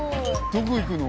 どこ行くの？